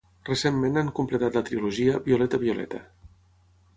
Recentment han completat la trilogia "Violeta Violeta".